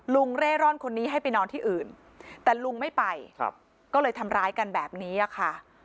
เร่ร่อนคนนี้ให้ไปนอนที่อื่นแต่ลุงไม่ไปก็เลยทำร้ายกันแบบนี้ค่ะ